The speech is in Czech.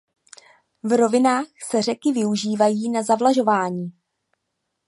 V rovinách se řeky využívají na zavlažování.